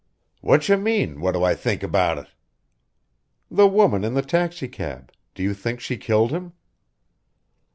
"Whatcha mean, what do I think about it?" "The woman in the taxicab do you think she killed him?"